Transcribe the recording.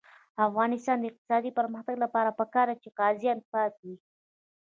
د افغانستان د اقتصادي پرمختګ لپاره پکار ده چې قاضیان پاک وي.